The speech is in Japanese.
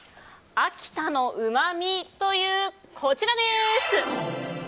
秋田のうまみ、こちらです。